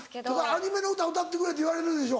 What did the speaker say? アニメの歌歌ってくれって言われるでしょ。